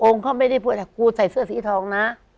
องค์ก็ไม่ได้พูดแต่กูใส่เสื้อสีทองนะ